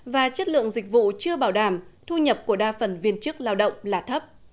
và chất lượng dịch vụ chưa bảo đảm thu nhập của đa phần viên chức lao động là thấp